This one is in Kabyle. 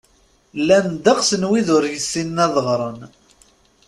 Llan ddeqs n wid ur yessinen ad ɣren.